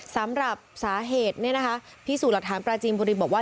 สำหรับสาเหตุที่สู่หลักฐานปราจีมบุรีบอกว่า